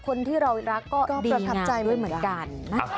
คนที่เรารักก็ประทับใจไว้เหมือนกัน